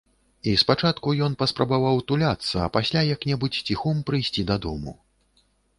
І спачатку ён паспрабаваў туляцца, а пасля як-небудзь ціхом прыйсці дадому.